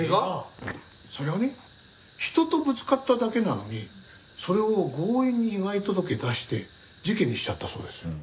それがね人とぶつかっただけなのにそれを強引に被害届出して事件にしちゃったそうです。